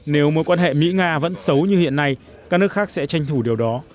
nếu mối quan hệ mỹ nga vẫn xấu như hiện nay các nước khác sẽ tranh thủ điều đó